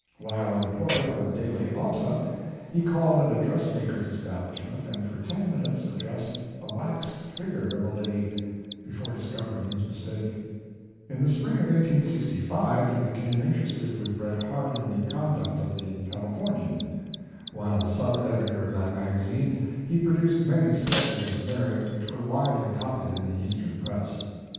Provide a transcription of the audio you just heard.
While employed on the daily Alta, he called at a dressmaker s establishment, and for ten minutes addressed a wax figure of a lady, before discovering his mistake. In the spring of 1865 he became in terested with Bret Harte in the conduct of the Calif ornian. While sub editor of that magazine he produced many sketches of merit which were widely copied in the Eastern press.